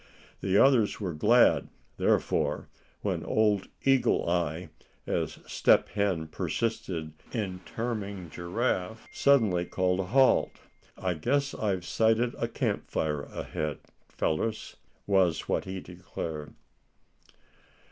The others were glad, therefore, when Old Eagle Eye, as Step Hen persisted in terming Giraffe, suddenly called a halt. "I guess I've sighted a camp fire ahead, fellers!" was what he declared.